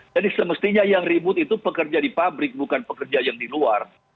jadi semestinya yang ribut itu pekerja di pabrik bukan pekerja yang di luar